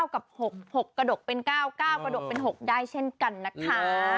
กับ๖กระดกเป็น๙๙กระดกเป็น๖ได้เช่นกันนะคะ